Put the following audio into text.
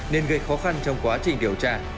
nên gây khó khăn trong quá trình điều tra